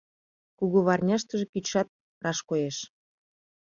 Кугыварняштыже кӱчшат раш коеш.